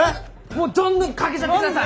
もうどんどんかけちゃってください！